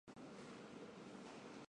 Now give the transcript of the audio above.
抓住他们！